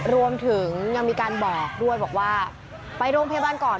รวมถึงยังมีการบอกด้วยบอกว่าไปโรงพยาบาลก่อน